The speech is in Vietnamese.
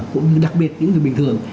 cũng như đặc biệt những người bình thường